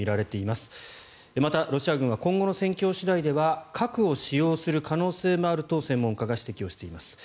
また、ロシア軍は今後の戦況次第では核を使用する可能性もあると専門家が指摘をしています。